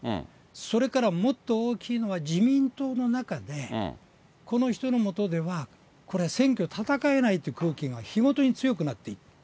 それからもっと大きいのは、自民党の中で、この人の下ではこれ、選挙戦えないって空気が日ごとに強くなっていく。